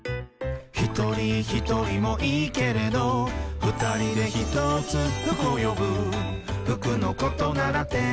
「ひとりひとりもいいけれど」「ふたりでひとつふくをよぶ」「ふくのことならテーラースキマ」